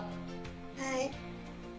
はい。